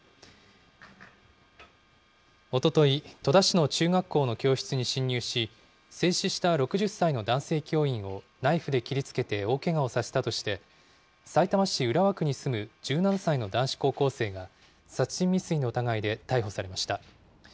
おととい、戸田市の中学校の教室に侵入し、制止した６０歳の男性教員をナイフで切りつけて大けがをさせたとして、さいたま市浦和区に住む１７歳の男子高校生が、殺人未遂の疑いで逮捕されました。